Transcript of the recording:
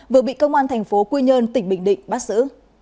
vừa bị công an tp quy nhơn tỉnh bình định bắt giữ